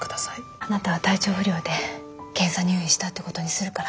あなたは体調不良で検査入院したってことにするから。